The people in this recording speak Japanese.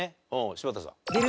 柴田さん。